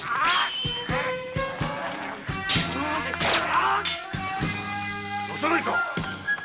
よさないか！